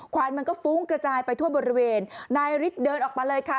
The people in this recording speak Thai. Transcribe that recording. วันมันก็ฟุ้งกระจายไปทั่วบริเวณนายฤทธิ์เดินออกมาเลยค่ะ